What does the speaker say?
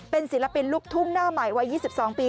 เป็นศิลปินลูกทุ่งหน้าใหม่วัย๒๒ปี